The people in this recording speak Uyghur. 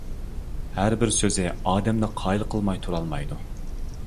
ھەر بىر سۆزى ئادەمنى قايىل قىلماي تۇرالمايدۇ.